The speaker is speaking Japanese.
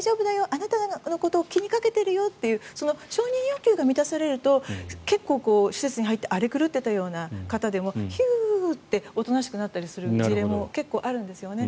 あなたのことを気にかけているよというその承認欲求が満たされると結構、施設に入って荒れ狂っていたような方でもひゅーっとおとなしくなる事例も結構あるんですよね。